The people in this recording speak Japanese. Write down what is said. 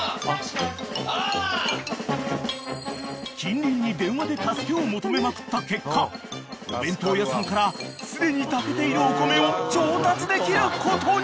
［近隣に電話で助けを求めまくった結果お弁当屋さんからすでに炊けているお米を調達できることに］